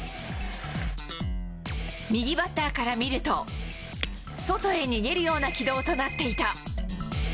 右バッターから見ると外へ逃げるような軌道となっていた。